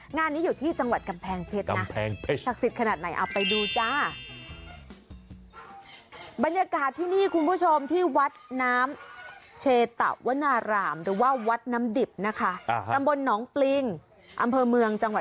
งานนี้อยู่ที่จังหวัดกำแพงเพชรอ่ะ